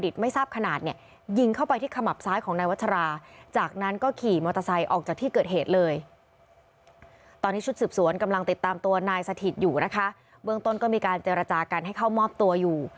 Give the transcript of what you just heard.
ตอนนี้ชุดสืบสวนกำลังติดตามตัวนายสถิตอยู่นะคะเบื้องต้นก็มีการเจรจากันให้เข้ามอบตัวอยู่